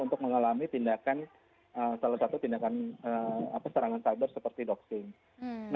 untuk mengalami tindakan salah satu tindakan serangan cyber seperti doxing